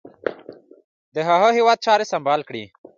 دغه هیواد چاري سمبال کړي.